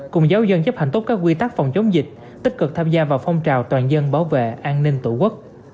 cùng giáo dân chấp hành tốt các quy tắc phòng chống dịch tích cực tham gia vào phong trào toàn dân bảo vệ an ninh tổ quốc